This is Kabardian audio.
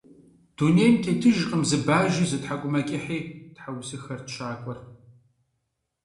Дунейм тетыжкъым зы бажи, зы тхьэкӀумэкӀыхьи! – тхьэусыхэрт щакӀуэр.